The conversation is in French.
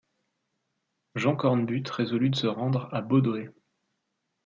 Jean Cornbutte résolut de se rendre à Bodoë.